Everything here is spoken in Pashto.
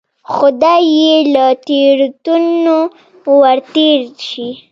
خدای یې له تېروتنو ورتېر شي.